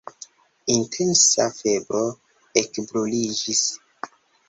Intensa febro ekbruliĝis.